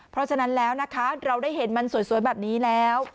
เพราะฉะนั้นแล้วนะคะเราได้เห็นมันสวยแบบนี้แล้ว